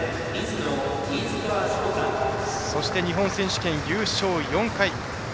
そして、日本選手権優勝４回。